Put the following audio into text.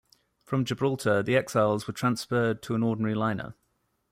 From Gibraltar, the exiles were transferred to an ordinary liner.